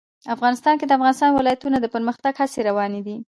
افغانستان کې د د افغانستان ولايتونه د پرمختګ هڅې روانې دي.